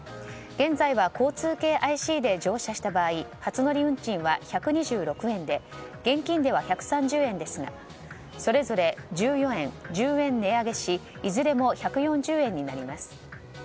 現在は、交通系ＩＣで乗車した場合初乗り運賃は１２６円で現金では１３０円ですがそれぞれ１４円、１０円値上げしいずれも１４０円になります。